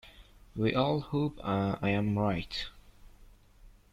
We all hope I am right.